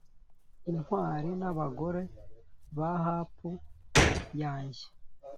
intwali n'abagore ba hapu yanjye